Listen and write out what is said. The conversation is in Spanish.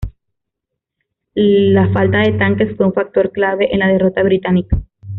La falta de tanques fue un factor clave en la derrota británica.